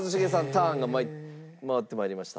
ターンが回って参りました。